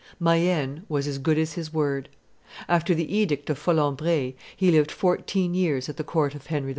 ] Mayenne was as good as his word. After the edict of Folembray, he lived fourteen years at the court of Henry IV.